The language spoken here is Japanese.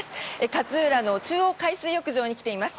勝浦の中央海水浴場に来ています。